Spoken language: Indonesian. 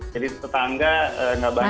jadi tetangga nggak banyak